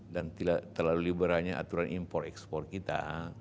dan terlalu liberal nya aturan import export kita